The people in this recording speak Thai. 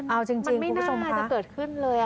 เอาจริงคุณผู้ชมค่ะมันไม่น่ากล้าจะเกิดขึ้นเลย